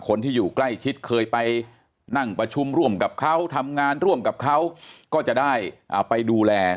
คนที่อยู่ใกล้ชิดเคยไปนั่งประชุมร่วมกับเขาทำงานร่วมกับเขาก็จะได้ไปดูแล